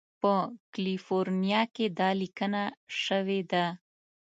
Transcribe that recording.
په کالیفورنیا کې دا لیکنه شوې ده.